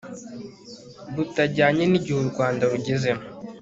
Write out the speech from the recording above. butajyanye n'igihe u rwanda rugezemo